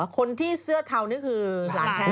คนที่เสื้อเทานี่คือหลานแท้